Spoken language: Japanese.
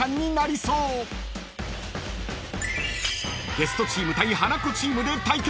［ゲストチーム対ハナコチームで対決］